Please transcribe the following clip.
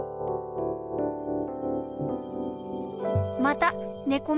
またねこ